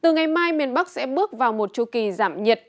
ngày mai miền bắc sẽ bước vào một chư kỳ giảm nhiệt